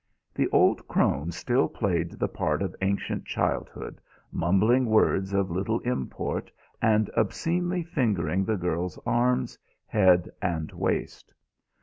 The old crone still played the part of ancient childhood, mumbling words of little import and obscenely fingering the girl's arms, head, and waist.